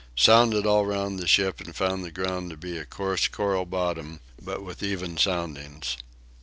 Sounded all round the ship and found the ground to be a coarse coral bottom, but with even soundings.